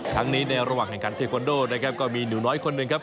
ทั้งนี้ในระหว่างแข่งขันเทควันโดนะครับก็มีหนูน้อยคนหนึ่งครับ